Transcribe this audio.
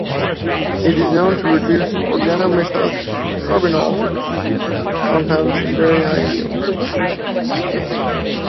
It is known to reduce organometallic carbonyl compounds in very high yield.